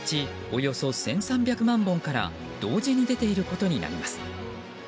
およそ１３００万本から同時に出ていることになります。